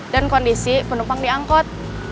dan kondisi penumpang diangkut